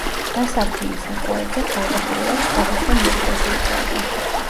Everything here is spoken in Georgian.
დასარტყმელ საკრავებზე თავდაპირველად სხვადასხვა მუსიკოსი უკრავდა.